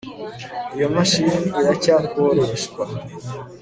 iyo mashini iracyakoreshwa